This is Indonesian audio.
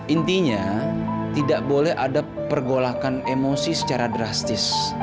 intinya tidak boleh ada pergolakan emosi secara drastis